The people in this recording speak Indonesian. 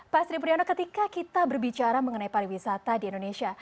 pak sri puryono ketika kita berbicara mengenai pariwisata di indonesia